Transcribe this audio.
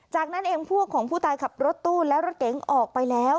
จากนั้นเองพวกของผู้ตายขับรถตู้และรถเก๋งออกไปแล้ว